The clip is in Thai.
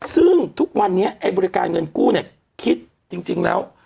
ซึ่งทุกวันนี้ไอ้บริการเงินกู้เนี่ยคิดจริงแล้ว